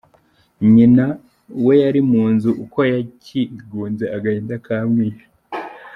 Nyina, we yari mu nzu Uko yakigunze Agahinda kamwishe.